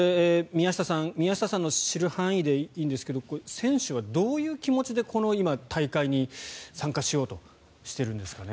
宮下さんの知る範囲でいいんですけど選手はどういう気持ちで今、大会に参加しようとしているんですかね。